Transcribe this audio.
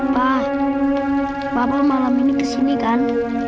pa papa malam ini kesini kan